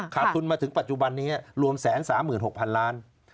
ทุนมาถึงปัจจุบันนี้รวม๑๓๖๐๐๐ล้าน